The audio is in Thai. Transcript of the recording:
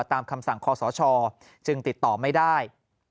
คำสั่งคอสชจึงติดต่อไม่ได้